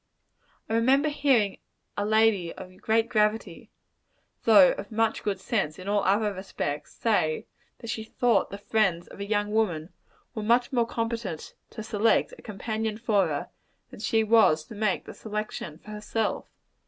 I remember hearing a lady of great gravity though of much good sense in all other respects say, that she thought the friends of a young woman were much more competent to select a companion for her, than she was to make the selection for herself.